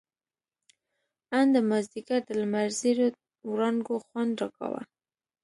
ان د مازديګر د لمر زېړو وړانګو خوند راکاوه.